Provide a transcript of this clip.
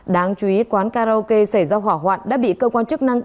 đáng chú ý quán karaoke xảy ra hỏa hoạn đã bị cơ quan chức năng